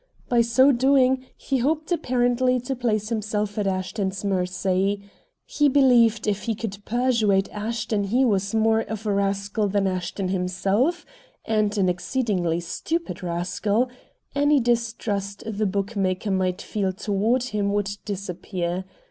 By so doing he hoped apparently to place himself at Ashton's mercy. He believed if he could persuade Ashton he was more of a rascal than Ashton himself, and an exceedingly stupid rascal, any distrust the bookmaker might feel toward him would disappear.